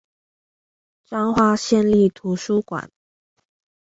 彰化縣立圖書館